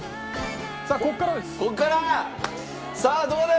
さあここからです。